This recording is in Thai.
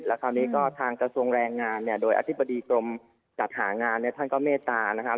คราวนี้ก็ทางกระทรวงแรงงานเนี่ยโดยอธิบดีกรมจัดหางานเนี่ยท่านก็เมตตานะครับ